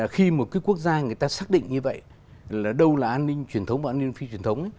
khi một cái quốc gia người ta xác định như vậy là đâu là an ninh truyền thống và an ninh phi truyền thống